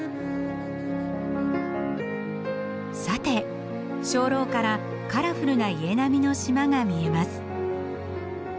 さて鐘楼からカラフルな家並みの島が見えます。